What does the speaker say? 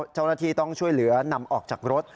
เจ้าหน้าที่ต้องช่วยเหลือนำออกจากรถ